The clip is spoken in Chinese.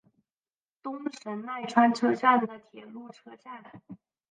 东神奈川车站的铁路车站。